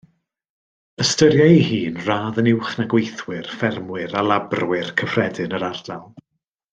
Ystyriai ei hun radd yn uwch na gweithwyr, ffermwyr a labrwyr cyffredin yr ardal.